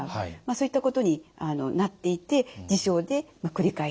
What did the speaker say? そういったことになっていって自傷で繰り返してしまう。